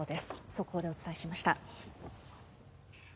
速報でお伝えしました。